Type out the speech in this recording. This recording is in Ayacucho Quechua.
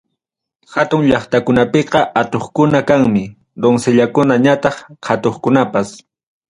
Hatun llaqtakunapiqa atuqkuna kanmi, doncellakuna ñataq qatuqkunapas.